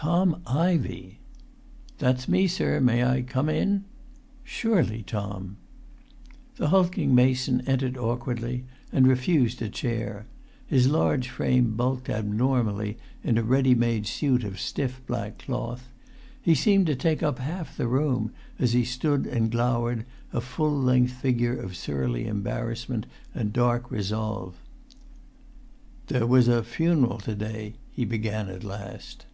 "Tom Ivey!" "That's me, sir; may I come in?" "Surely, Tom." The hulking mason entered awkwardly, and refused a chair. His large frame bulked abnormally in a ready made suit of stiff black cloth. He seemed to take up half the room, as he stood and glowered, a full length figure of surly embarrassment and dark resolve. "There was a funeral to day," he began at last.